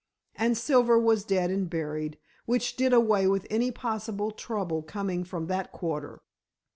And Silver was dead and buried, which did away with any possible trouble coming from that quarter.